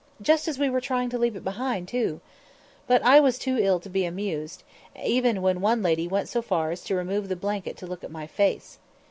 "Just as we were trying to leave it behind too!" But I was too ill to be amused, even when one lady went so far as to remove the blanket to look at my face.